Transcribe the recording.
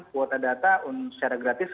kuota data secara gratis